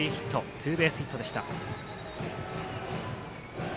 ツーベースヒットでした。